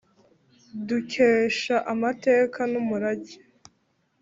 dukesha amateka n’umurage.